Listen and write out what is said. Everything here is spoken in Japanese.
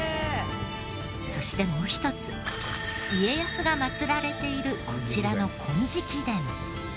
そしてもう一つ家康が祭られているこちらの金色殿。